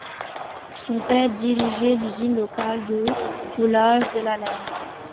Son père dirigeait l'usine locale de foulage de la laine.